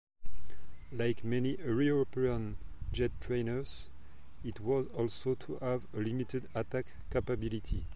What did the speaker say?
Like many European jet trainers, it was also to have a limited attack capability.